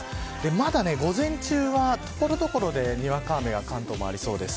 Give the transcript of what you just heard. まだ午前中は、所々でにわか雨が関東でもありそうです。